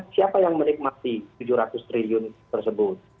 siapa yang menikmati tujuh ratus triliun tersebut